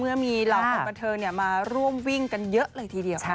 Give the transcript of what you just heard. เมื่อมีเราของบันเทิงมาร่วมวิ่งกันเยอะเลยทีเดียวนะครับ